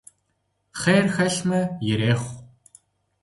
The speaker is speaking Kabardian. Хъер хэлъмэ, ирехъу.